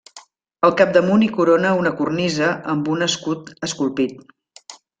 Al capdamunt hi corona una cornisa amb un escut esculpit.